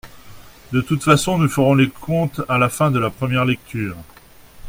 De toute façon, nous ferons les comptes à la fin de la première lecture.